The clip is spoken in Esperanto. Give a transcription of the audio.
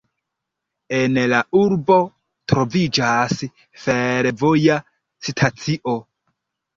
En la urbo troviĝas fervoja stacio.